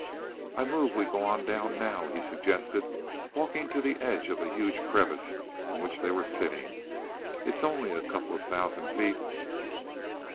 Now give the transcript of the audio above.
"I move we go on down now," he suggested, walking to the edge of the huge crevice in which they were sitting. "It's only a couple of thousand feet."